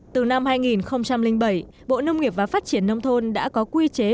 từ năm hai nghìn bảy bộ nông nghiệp và phát triển nông thôn đã có quy chế